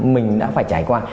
mình đã phải trải qua